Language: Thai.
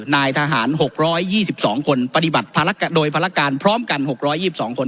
นายทหารหกร้อยยี่สิบสองคนปฏิบัติโดยพระราชการพร้อมกันหกร้อยยี่สิบสองคน